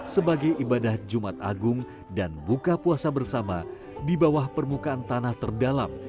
sebagai ibadah jumat agung dan buka puasa bersama di bawah permukaan tanah terdalam